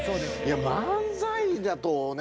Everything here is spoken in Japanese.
漫才だとね